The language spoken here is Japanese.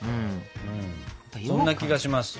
そんな気がします。